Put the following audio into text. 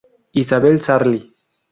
Isabel Sarli.